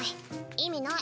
意味ない。